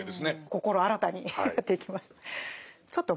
心新たにやっていきましょう。